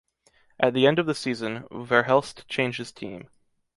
At the end of the season, Verhelst changes team.